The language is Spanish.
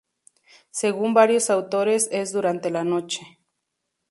Según varios autores es durante la noche.